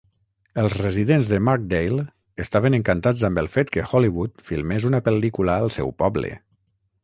Els residents de Markdale estaven encantats amb el fet que Hollywood filmés una pel·lícula al seu poble.